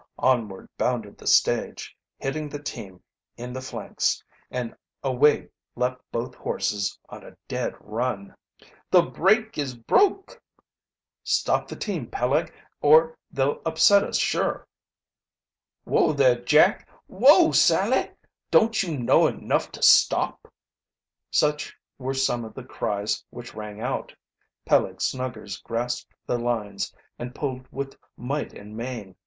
Onward bounded the stage, hitting the team in the flanks, and away leaped both horses on a dead run! "The brake is broke!" "Stop the team, Peleg, or they'll upset us sure!" "Whoa, there, Jack! Whoa, Sally! Don't you know enough to stop?" Such were some of the cries which rang out. Peleg Snuggers grasped the lines and pulled with might and main.